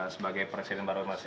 sebagai presiden baru